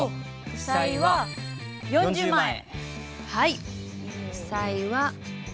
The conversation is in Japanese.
負債は４０万円。